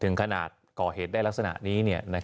ถึงขนาดก่อเหตุได้ลักษณะนี้เนี่ย